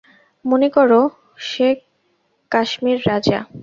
মনে করো, সে কাঞ্চীর রাজা।